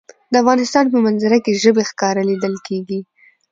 د افغانستان په منظره کې ژبې ښکاره لیدل کېږي.